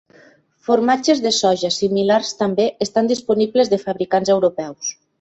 Formatges de soja similars també estan disponibles de fabricants europeus.